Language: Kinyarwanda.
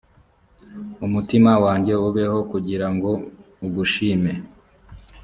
umutima wanjye ubeho kugira ngo ugushime